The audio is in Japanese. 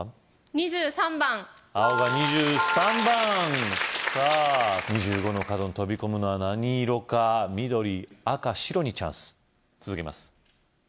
２３番青が２３番さぁ２５の角に飛び込むのは何色か緑・赤・白にチャンス続けます